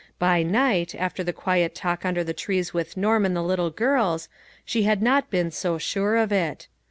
By night, after the quiet talk under the trees with Norm and the little girls, she had not been so sure of it.